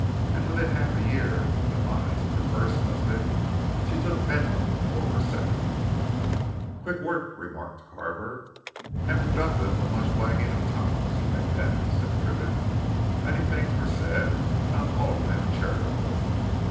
And within half a year of the demise of her first husband, she took Bentham for her second." "Quick work!" remarked Carver. "And productive of much wagging of tongues, you may bet!" said Triffitt. "Many things were said not all of them charitable.